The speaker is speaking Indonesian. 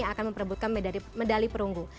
yang akan memperebutkan medali perunggu